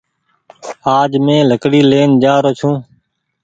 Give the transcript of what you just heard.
آج مينٚ لهڪڙي لين جآرو ڇوٚنٚ